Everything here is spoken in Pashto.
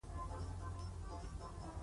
هغه د یو لارښود په څیر په ډیر ځواک سره